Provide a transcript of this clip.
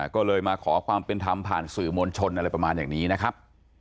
ก็เลยมาขอความเป็นธรรมผ่านสื่อมวลชนอะไรประมาณอย่างนี้นะครับ